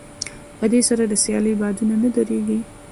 په دې سره د سيالۍ بادونه نه درېږي.